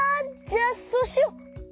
じゃあそうしよう！